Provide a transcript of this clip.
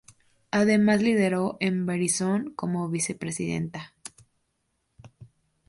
Además lideró en Verizon como Vicepresidenta.